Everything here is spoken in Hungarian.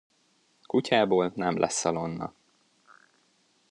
Kutyából nem lesz szalonna.